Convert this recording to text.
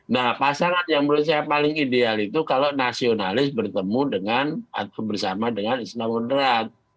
nah pasangan yang menurut saya paling ideal itu kalau nasionalis bertemu dengan atau bersama dengan islam moderat